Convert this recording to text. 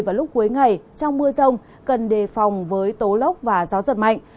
vào lúc cuối ngày trong mưa rông cần đề phòng với tố lốc và gió giật mạnh